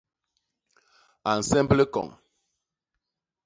A nsemb likoñ.